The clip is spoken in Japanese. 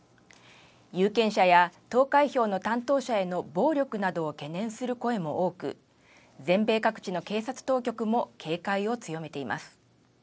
有権者や投開票の担当者への暴力などを懸念する声も多く全米各地の警察当局も警戒を強めています。